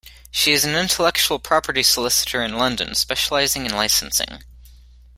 She is an intellectual property solicitor in London, specialising in licensing.